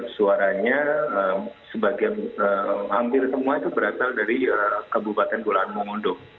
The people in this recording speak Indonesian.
suaranya sebagian hampir semua itu berasal dari kabupaten bolaan mongondo